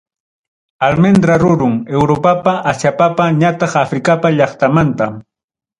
Almendra rurum, Europapa, Asiapapa ñataq África llaqtamanta.